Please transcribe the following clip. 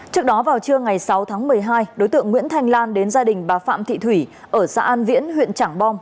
trước đó vào trưa ngày sáu tháng một mươi hai đối tượng nguyễn thanh lan đến gia đình bà phạm thị thủy ở xã an viễn huyện trảng bom